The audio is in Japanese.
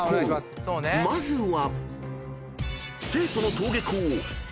［まずは］